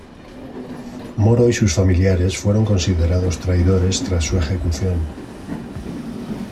Moro y sus familiares fueron considerados traidores tras su ejecución.